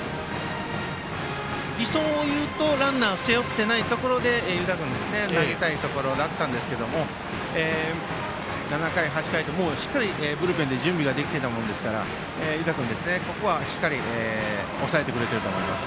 理想を言うと、ランナーを背負っていないところで湯田君は投げたいところでしたが７回、８回としっかりブルペンで準備ができていたものですから湯田君、ここはしっかり抑えてくれると思います。